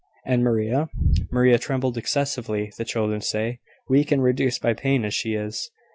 "And Maria?" "Maria trembled excessively, the children say, weak and reduced by pain as she is.